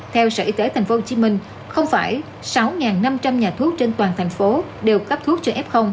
theo sở y tế tp hcm không phải sáu năm trăm linh nhà thuốc trên toàn thành phố đều cấp thuốc cho f